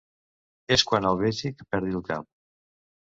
És quan el besi que perdi el cap.